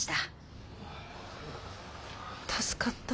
助かった。